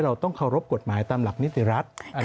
เราต้องเคารพกฎหมายตามหลักนิติรัฐ